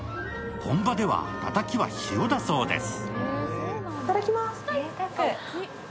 本場ではたたきは塩だそうです。